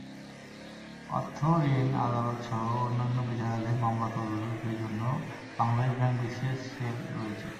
অর্থঋণ আদালতসহ অন্যান্য বিচারাধীন মামলা তদারকির জন্য বাংলাদেশ ব্যাংকে বিশেষ সেল রয়েছে।